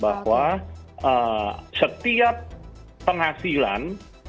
bahwa setiap penghasilan